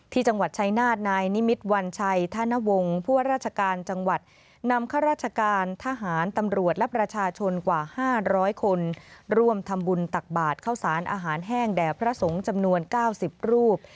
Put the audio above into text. ที่จังหวัดชายนาฏนายนิมิตรวัญชัยธนวงศ์ผู้ว่าราชการจังหวัดนำข้าราชการทหารตำรวจและประชาชนกว่า๕๐๐คนร่วมทำบุญตักบาทเข้าสารอาหารแห้งแด่พระสงฆ์จำนวน๙๐รูป